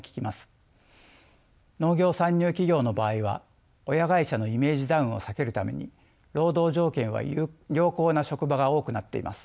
農業参入企業の場合は親会社のイメージダウンを避けるために労働条件は良好な職場が多くなっています。